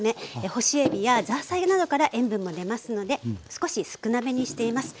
干しえびやザーサイなどから塩分も出ますので少し少なめにしています。